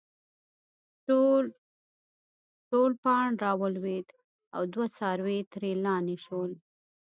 ټول پاڼ راولويد او دوه څاروي ترې لانې شول